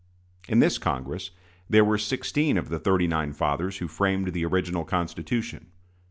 In this Congress there were sixteen of the thirty nine fathers who framed the original Constitution.